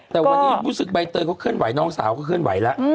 แต่วันนี้รู้สึกใบเตยเขาเคลื่อนไหวน้องสาวก็เคลื่อนไหวแล้ว